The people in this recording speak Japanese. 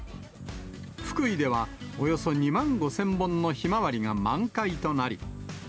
福井ではおよそ２万５０００本のひまわりが満開となり。